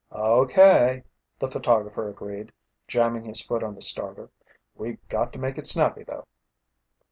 "Okay," the photographer agreed, jamming his foot on the starter. "We got to make it snappy though."